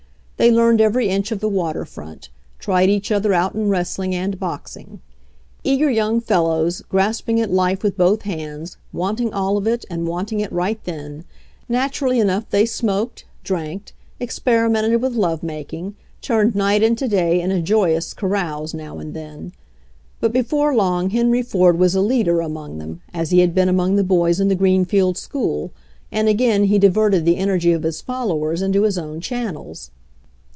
They learned every inch of the water front; tried each other out in wrestling and boxing. Eager young fellows, grasping at life with both hands, wanting all of it, and wanting it right then — naturally enough they smoked, drank, experimented with love making, turned night into day in a joyous carouse now and then. But before long Henry Ford was a leader among them, as he had been among the boys in the Greenfield school, and again he diverted the en ergy of his followers into his own channels.